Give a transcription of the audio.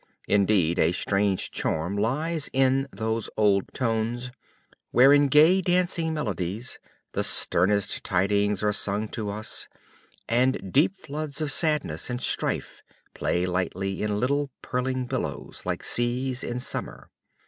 Indeed a strange charm lies in those old tones, where, in gay dancing melodies, the sternest tidings are sung to us; and deep floods of sadness and strife play lightly in little purling billows, like seas in summer.